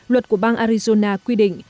luật của bang arizona quy định